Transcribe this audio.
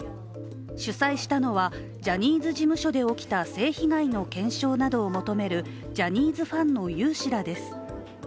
主催したのは、ジャニーズ事務所で起きた性被害の検証などを求めるジャニーズファンの有志らです。